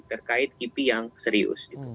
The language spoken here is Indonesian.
terkait ip yang serius